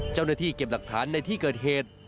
เจ้าหน้าที่เก็บหลักฐานในที่เกิดเหตุ